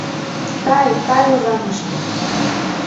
— Кай, кай Озаҥышке!